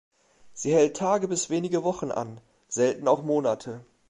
Sie hält Tage bis wenige Wochen an, selten auch Monate.